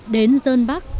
đến dân bắc